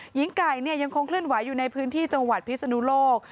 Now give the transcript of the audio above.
หญิงไก่ยังคงเคลื่อนไหวอยู่ในพื้นที่จังหวัดพิศนุโลก